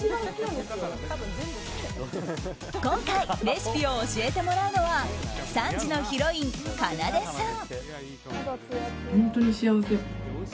今回レシピを教えてもらうのは３時のヒロイン、かなでさん。